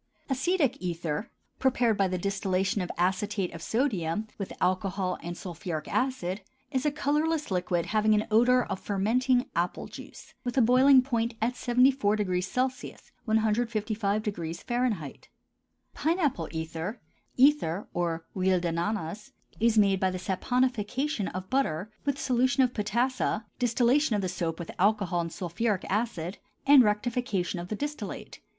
ACETIC ETHER, prepared by the distillation of acetate of sodium with alcohol and sulphuric acid, is a colorless liquid having an odor of fermenting apple juice, with a boiling point at 74° C. (155° F.). PINE APPLE ETHER (ether or huile d'ananas) is made by the saponification of butter with solution of potassa, distillation of the soap with alcohol and sulphuric acid, and rectification of the distillate.